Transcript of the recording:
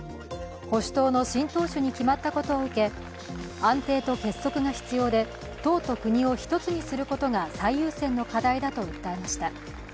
保守党の新党首に決まったことを受け、安定と結束が必要で党と国を一つにすることが最優先の課題だと訴えました。